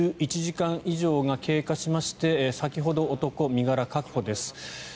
１１時間以上が経過しまして先ほど、男の身柄確保です。